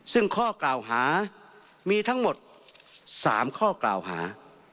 ซึ่งข้อกล่าวหามีทั้งหมด๓ข้อกล่าวหา